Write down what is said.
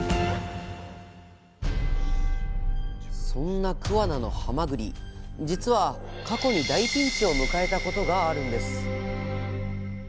そんな桑名のはまぐり実は過去に大ピンチを迎えたことがあるんです。